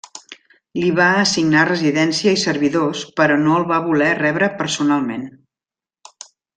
Li va assignar residència i servidors però no el va voler rebre personalment.